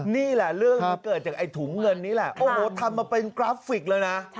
นี่แหละเรื่องที่เกิดจากไอ้ถุงเงินนี้แหละโอ้โหทำมาเป็นกราฟิกเลยนะ